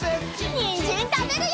にんじんたべるよ！